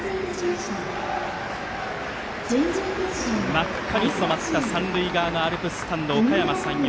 真っ赤に染まった三塁側のアルプススタンド、おかやま山陽。